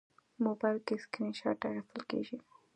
موبایل کې سکرین شات اخیستل کېږي.